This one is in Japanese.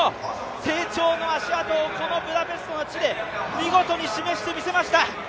成長の足跡をこのブダペストの地で見事に示してみせました。